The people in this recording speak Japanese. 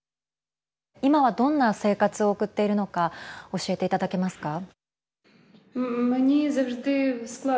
今は、どんな生活を送っているのか教えていただけますか。